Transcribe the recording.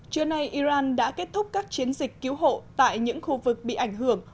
trưa nay iran đã kết thúc các chiến dịch cứu hộ tại những khu vực bị ảnh hưởng